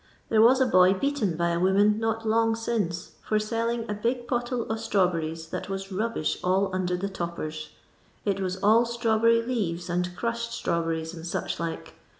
There was a boy beaten by a woman not louff since for selling a b^ pottle of strawberries that was rubbish all nnder the toppers. It was all strawberry leaves, and crushed strawberries, and such like.